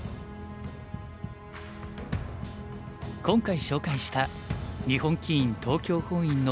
今回紹介した日本棋院